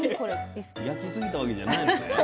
焼きすぎたわけじゃないのね。